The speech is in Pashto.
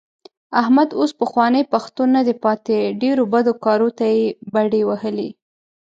احمد اوس پخوانی پښتون نه دی پاتې. ډېرو بدو کارو ته یې بډې وهلې.